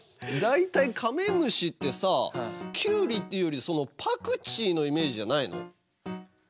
大体カメムシってさきゅうりっていうよりそのパクチーのイメージじゃないの？